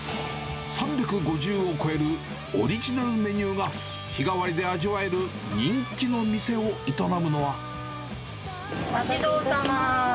３５０を超えるオリジナルメニューが、日替わりで味わえる人気のお待ちどおさまー！